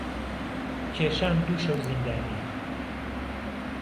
کێشام دوو شەو زیندانی